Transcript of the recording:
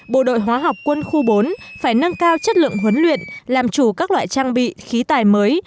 bộ đội hóa học quân khu bốn phải nâng cao chất lượng huấn luyện làm chủ các loại trang bị khí tài mới